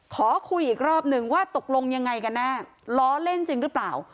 ขอคุยอีกรอบหนึ่งว่าตกลงยังไงกันแน่ล้อเล่นจริงหรือเปล่า